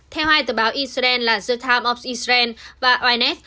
theo hai tờ báo israel là the times of israel và unf